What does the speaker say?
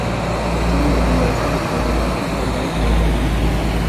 جنګ د بې وزلۍ او بې برخې ته لاره هواروي.